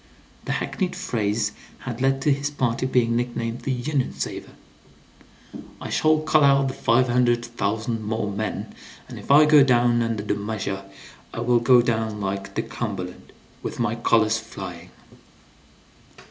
(The hackneyed phrase had led to his party being nicknamed "the Union savers.") "I shall call out the five hundred thousand more men, and if I go down under the measure I will go down like the Cumberland, with my colors flying!"